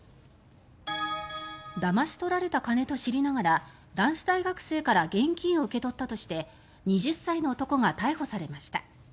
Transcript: だまし取られた金と知りながら男子大学生から現金を受け取ったとして２０歳の男が逮捕されました。